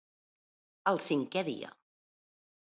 El cinquè dia.